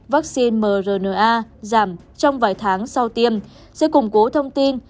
vaccine mrna giảm trong vài tháng sau tiêm sẽ củng cố thông tin